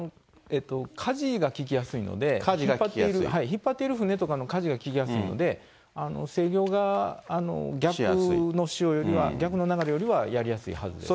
かじが利きやすいので、引っ張っている船とかのかじが利きやすいので、制御が逆の潮よりは、逆の流れよりはやりやすいはずですね。